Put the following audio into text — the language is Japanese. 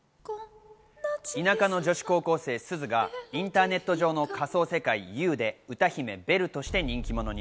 田舎の女子高校生・すずがインターネット上の仮想世界Ｕで歌姫・ベルとして人気者に。